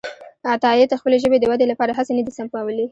عطاييد خپلې ژبې د ودې لپاره هڅې نه دي سپمولي.